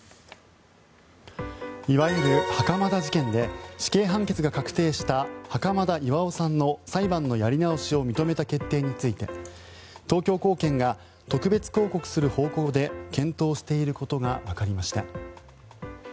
いわゆる袴田事件で死刑判決が確定した袴田巌さんの裁判のやり直しを認めた決定について東京高検が特別抗告する方向で検討していることがわかりました。